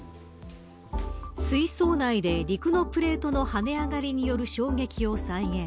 水槽内で、陸のプレートの跳ね上がりによる衝撃を再現。